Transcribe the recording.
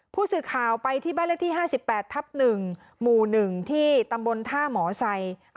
ผู้สื่อข่าวไปที่แบบที่ห้าสิบแปดทับหนึ่งหมู่หนึ่งที่ตำบลท่าหมอไซม์